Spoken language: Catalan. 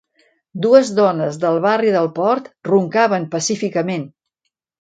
Dues dones del barri del port roncaven pacíficament